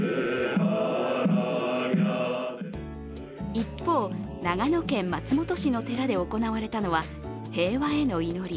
一方、長野県松本市の寺で行われたのは、平和への祈り。